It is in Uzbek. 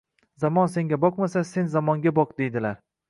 — Zamon senga boqmasa, sen zamonga boq, deydilar.